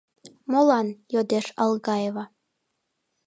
— Молан? — йодеш Алгаева.